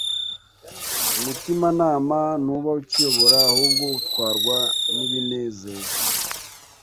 Umutimanama ntuba ukiyobora ahubwo utwarwa n’ibinezeza.